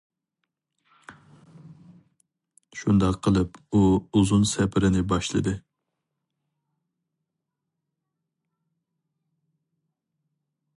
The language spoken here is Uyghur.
شۇنداق قىلىپ ئۇ ئۇزۇن سەپىرىنى باشلىدى.